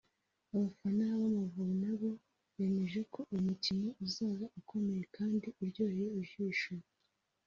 abafana b’Amavubi na bo bemeje ko uwo umukino uzaba ukomeye kandi uryoheye ijisho